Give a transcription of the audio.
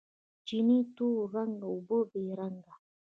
چینې تور رنګه، اوبه بې رنګه